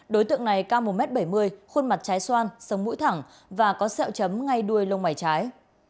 đối tượng này cao một m bảy mươi khuôn mặt trái xoan sống mũi thẳng và có sẹo chấm ngay đuôi lông mày trái